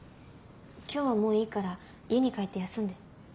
今日はもういいから家に帰って休んで。